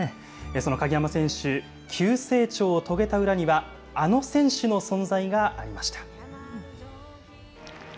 その鍵山選手、急成長を遂げた裏には、あの選手の存在がありました。